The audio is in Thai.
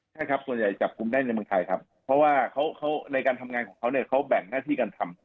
ใช่ครับส่วนใหญ่จับกลุ่มได้ในเมืองไทยครับเพราะว่าเขาในการทำงานของเขาเนี่ยเขาแบ่งหน้าที่การทำ